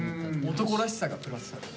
男らしさがプラスされた。